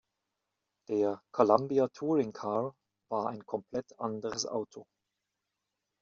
Der "Columbia Touring Car" war ein komplett anderes Auto.